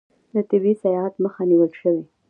د طبي سیاحت مخه نیول شوې؟